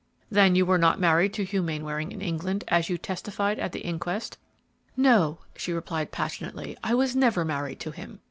"Then you were not married to Hugh Mainwaring in England, as you testified at the inquest?" "No," she replied, passionately; "I was never married to him.